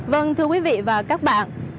vâng thưa quý vị và các bạn